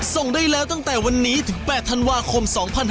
ส่งได้แล้วตั้งแต่วันนี้ถึง๘ธันวาคม๒๕๕๙